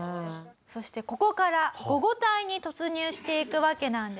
そしてここから午後帯に突入していくわけなんですが。